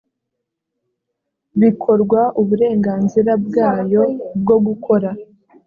bikorwa uburenganzira bwayo bwo gukora